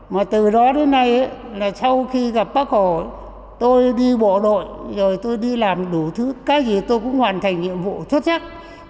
mà từ đó đến nay là sau khi gặp bác hồ tôi đi bộ đội rồi tôi đi làm đủ thứ cái gì tôi cũng hoàn thành nhiệm vụ xuất sắc